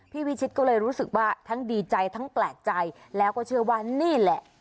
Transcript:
วิชิตก็เลยรู้สึกว่าทั้งดีใจทั้งแปลกใจแล้วก็เชื่อว่านี่แหละ